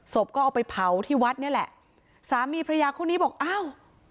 ก็เอาไปเผาที่วัดนี่แหละสามีพระยาคู่นี้บอกอ้าว